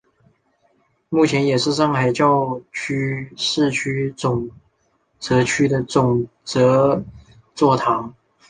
目前也是上海教区市区总铎区的总铎座堂。